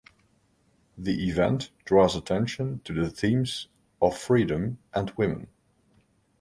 The event draws attention to the themes of freedom and women.